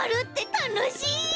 たのしい！